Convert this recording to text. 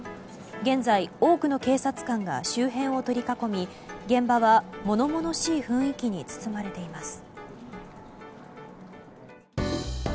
現在、多くの警察官が周辺を取り囲み現場は物々しい雰囲気に包まれています。